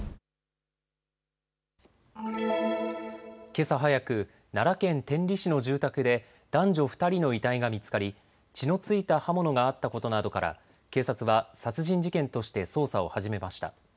けさ早く、奈良県天理市の住宅で男女２人の遺体が見つかり血の付いた刃物があったことなどから警察は殺人事件として捜査を始めました。